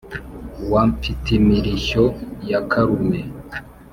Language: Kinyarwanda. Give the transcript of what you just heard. wa mfitimirishyo ya karume